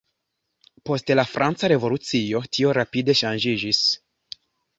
Post la Franca Revolucio tio rapide ŝanĝiĝis.